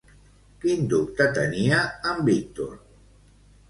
Quin dubte tenia en Víctor?